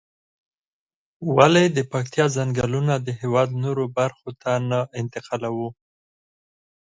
ولې د پکتيا ځنگلونه د هېواد نورو برخو ته نه انتقالوو؟